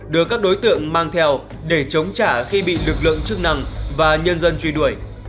đưa các đối tượng mang theo để chống trả khi bị lực lượng chức năng và nhân dân truy đuổi